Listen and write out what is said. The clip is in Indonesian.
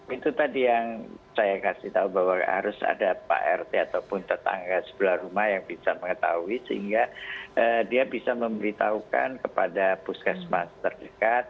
itu tadi yang saya kasih tahu bahwa harus ada pak rt ataupun tetangga sebelah rumah yang bisa mengetahui sehingga dia bisa memberitahukan kepada puskesmas terdekat